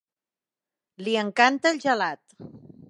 Li encanta el gelat.